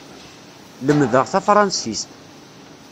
Lemdeɣ tafṛansist.